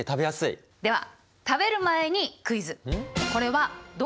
では食べる前にクイズ！